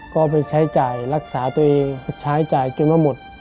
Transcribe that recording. ก็ไปใช้จ่ายรักษาตัวเองใช้จ่ายจนว่าหมด